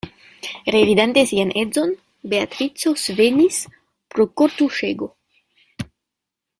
Revidante sian edzon, Beatrico svenis pro kortuŝego.